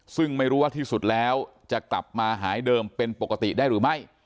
ซึ่งไม่รู้ว่าที่สุดแล้วจะกลับมาหายเดิมเป็นปกติได้หรือไม่